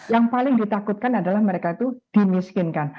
yang paling ditakutkan adalah mereka itu dimiskinkan